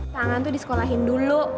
tangan tuh disekolahin dulu